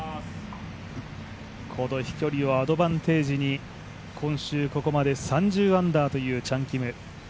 この飛距離をアドバンテージに今週ここまで３０アンダーというチャン・キム。